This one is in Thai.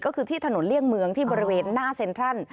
ก็คือที่ถนนเลี่ยงเมืองที่บริเวณหน้าเซ็นทรัล